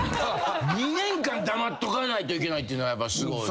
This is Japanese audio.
２年間黙っとかないといけないっていうのはやっぱすごいね。